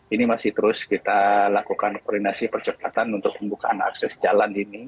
ini masih terus kita lakukan koordinasi percepatan untuk pembukaan akses jalan ini